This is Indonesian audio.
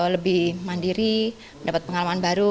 lebih mandiri mendapat pengalaman baru